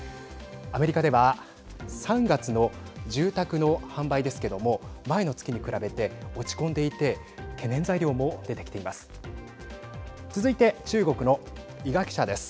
アメリカでは３月の住宅の販売ですけども前の月に比べて、落ち込んでいて懸念材料も出てきています。